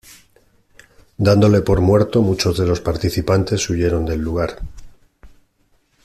Dándole por muerto, muchos de los participantes huyeron del lugar.